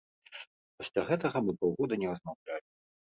Пасля гэтага мы паўгода не размаўлялі.